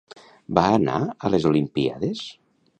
Va anar a les Olimpíades?